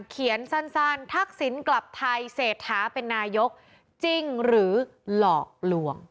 เขียนสั้นทักษิณกลับไทยเศรษฐาเป็นนายกจริงหรือหลอกลวง